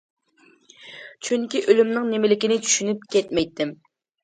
چۈنكى ئۆلۈمنىڭ نېمىلىكىنى چۈشىنىپ كەتمەيتتىم.